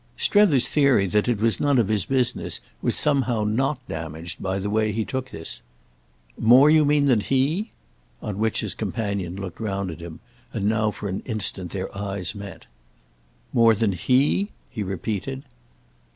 Strether's theory that it was none of his business was somehow not damaged by the way he took this. "More, you mean, than he?" On which his companion looked round at him, and now for an instant their eyes met. "More than he?" he repeated.